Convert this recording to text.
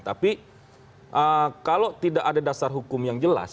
tapi kalau tidak ada dasar hukum yang jelas